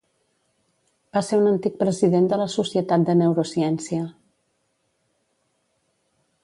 Va ser un antic president de la Societat de Neurociència.